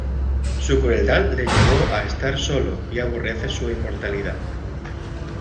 Su crueldad le llevó a estar solo y aborrece su inmortalidad.